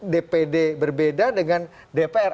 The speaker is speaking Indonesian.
dpd berbeda dengan dpr